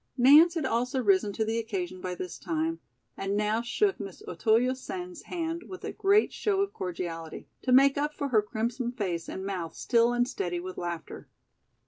Nance had also risen to the occasion by this time, and now shook Miss Otoyo Sen's hand with a great show of cordiality, to make up for her crimson face and mouth still unsteady with laughter.